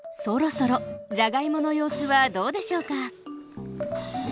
そろそろじゃがいもの様子はどうでしょうか？